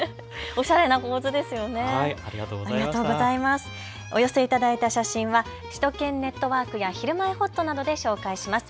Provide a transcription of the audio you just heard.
お寄せいただいた写真は首都圏ネットワークやひるまえほっとなどで紹介します。